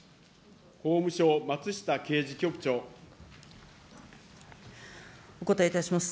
法務省、お答えいたします。